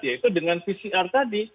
yaitu dengan pcr tadi